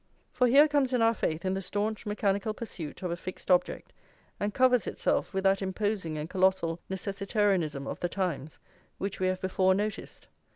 For here comes in our faith in the staunch mechanical pursuit of a fixed object, and covers itself with that imposing and colossal necessitarianism of The Times which we have before noticed.